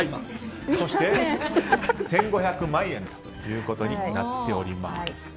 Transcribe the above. そして、１５００万円ということになっています。